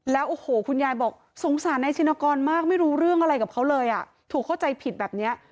แล้วโอ้โหคุณยายบอกสงสารนายชินกรมากไม่รู้เรื่องอะไรกับเขาเลยอ่ะถูกเข้าใจผิดแบบเนี้ย